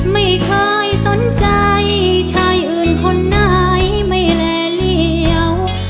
ไม่เคยสนใจชายอื่นคนไหนไม่แลเหลี่ยว